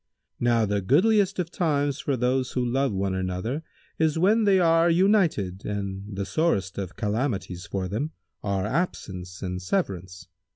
Now the goodliest of times for those who love one another is when they are united and the sorest of calamities for them are absence and severance.